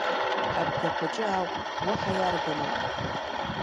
Абгахәыҷы ауп уаҳа иарбану!